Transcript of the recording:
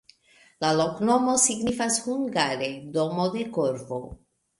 La loknomo signifas hungare: domo de korvo.